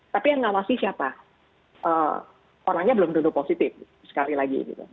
tapi yang ngawasi siapa orangnya belum tentu positif sekali lagi